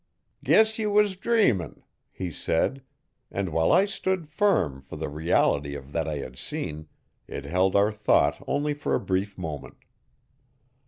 'Guess you was dreamin',' he said, and, while I stood firm for the reality of that I had seen, it held our thought only for a brief moment.